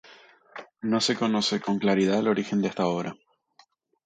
No se conoce con claridad el origen de esta obra.